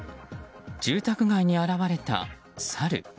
住宅街に現れたサル。